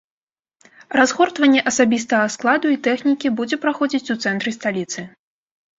Разгортванне асабістага складу і тэхнікі будзе праходзіць у цэнтры сталіцы.